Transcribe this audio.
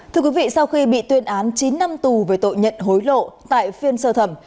thưa quý vị sau khi bị tuyên án chín năm tù về tội nhận hối lộ tại phiên sơ thẩm